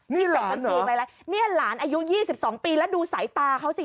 นี่หลานเหรอนี่หลานอายุยี่สิบสองปีแล้วดูสายตาเขาสิ